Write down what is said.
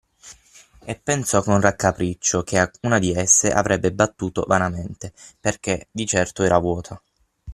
E pensò con raccapriccio che a una di esse avrebbe battuto vanamente, perché di certo era vuota.